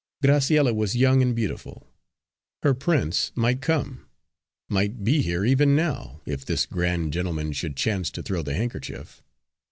Graciella was young and beautiful. Her prince might come, might be here even now, if this grand gentleman should chance to throw the handkerchief.